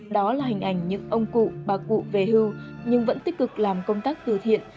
đó là hình ảnh những ông cụ bà cụ về hưu nhưng vẫn tích cực làm công tác từ thiện